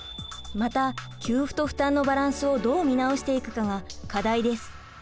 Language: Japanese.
また給付と負担のバランスをどう見直していくかが課題です。